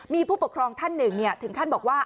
มีผู้ปกครองท่านหนึ่งถึงขั้นบอกว่า